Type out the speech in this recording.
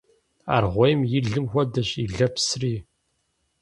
Аргъуейм и лым хуэдэщ и лэпсри.